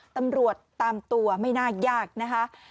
ตำรวจตามตัวไม่น่ายากนะคะ